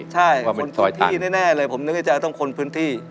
ใช่ที่แน่เลยผมนึกในใจต้องคนพื้นที่